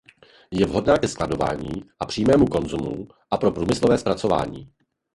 Je vhodná ke skladování a přímému konzumu a pro průmyslové zpracování.